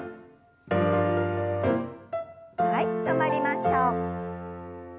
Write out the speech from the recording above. はい止まりましょう。